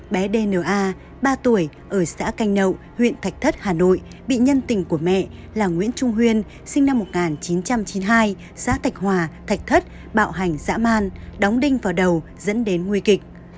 bé dna ba tuổi ở xã canh nậu huyện thạch thất hà nội bị nhân tình của mẹ là nguyễn trung huyên sinh năm một nghìn chín trăm chín mươi hai xã thạch hòa thạch thất bạo hành dã man đóng đinh vào đầu dẫn đến nguy kịch